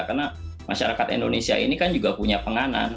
karena masyarakat indonesia ini kan juga punya penganan